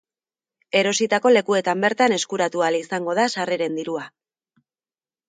Erositako lekuetan bertan eskuratu ahal izango da sarreren dirua.